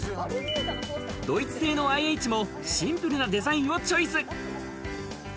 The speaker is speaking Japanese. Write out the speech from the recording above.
ドイツ製のＩＨもシンプルなデザインをチョイス。